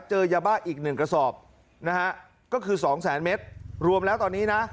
เจอยาบ้าอีกหนึ่งกระสอบนะฮะก็คือสองแสนเมตรรวมแล้วตอนนี้นะ